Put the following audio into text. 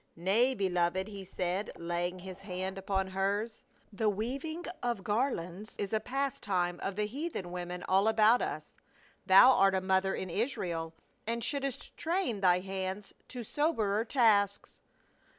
" Nay, beloved," he said, laying his hand upon hers, "the weaving of garlands is a pastime of the heathen women all about us. Thou art a mother in Israel and shouldst train thy hands to soberer tasks."